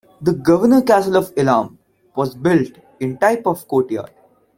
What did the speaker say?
The Governor Castle of Ilam was built in type of courtyard.